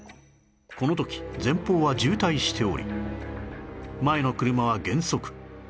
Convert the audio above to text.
この時前方は渋滞しており前の車は減速